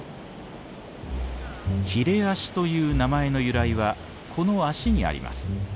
ヒレアシという名前の由来はこの足にあります。